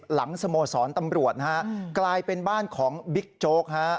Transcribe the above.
สโมสรตำรวจนะฮะกลายเป็นบ้านของบิ๊กโจ๊กฮะ